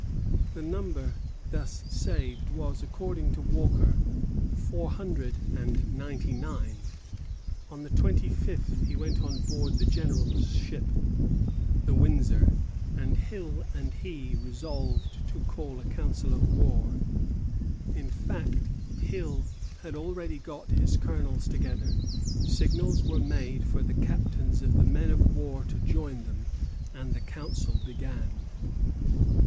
The number thus saved was, according to Walker, four hundred and ninety nine. On the twenty fifth he went on board the General's ship, the "Windsor," and Hill and he resolved to call a council of war. In fact, Hill had already got his colonels together. Signals were made for the captains of the men of war to join them, and the council began.